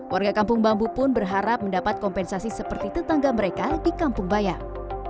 warga kampung bambu pun berharap mendapat kompensasi seperti tetangga mereka di kampung bayam